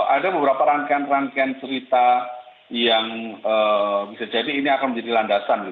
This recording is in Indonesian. ada beberapa rangkaian rangkaian cerita yang bisa jadi ini akan menjadi landasan